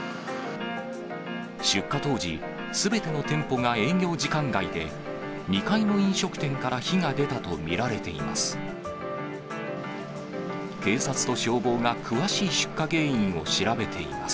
出火当時、すべての店舗が営業時間外で、２階の飲食店から火が出たと見られています。